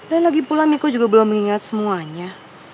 dan lagi pulang miko juga belum mengingat semuanya